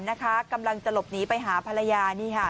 นะคะกำลังจะหลบหนีไปหาภรรยานี่ค่ะ